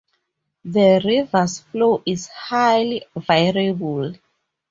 The river's flow is highly variable.